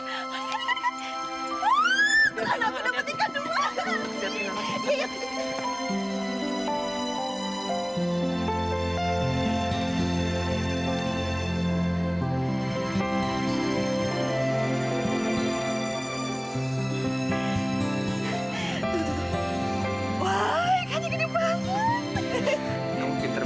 anak anak udah pentingkan luar